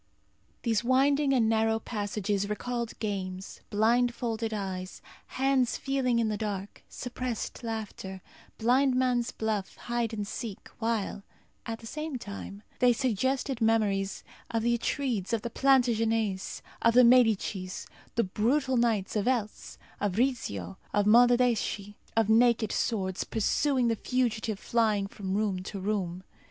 These winding and narrow passages recalled games, blindfolded eyes, hands feeling in the dark, suppressed laughter, blind man's buff, hide and seek, while, at the same time, they suggested memories of the Atrides, of the Plantagenets, of the Médicis, the brutal knights of Eltz, of Rizzio, of Monaldeschi; of naked swords, pursuing the fugitive flying from room to room.